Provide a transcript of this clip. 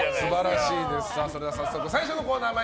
それでは早速最初のコーナーです。